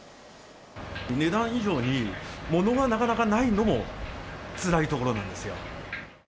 値段以上に、ものがなかなかないのもつらいところなんですよ。